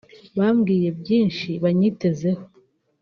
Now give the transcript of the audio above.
bambwiye byinshi banyitezeho